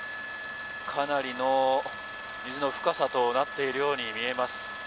かなりの水の深さとなっているように見えます。